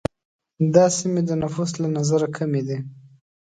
دا سیمې د نفوس له نظره کمي دي.